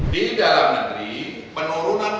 di dalam negeri penurunan